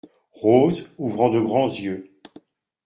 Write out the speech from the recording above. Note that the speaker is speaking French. Rose , ouvrant de grands yeux.